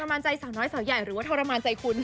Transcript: มารใจสาวน้อยสาวใหญ่หรือว่าทรมานใจคุณ